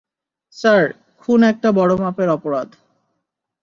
Sir, খুন একটা বড় মাপের অপরাধ।